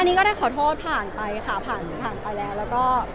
อันนี้ก็ได้ขอโทษผ่านไปค่ะผ่านผ่านไปแล้วแล้วก็